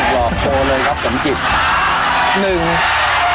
โทษเลยครับสมจิต